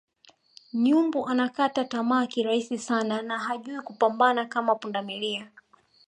Nyumbu anakata tamaa kirahisi sana na hajui kupambana kama pundamilia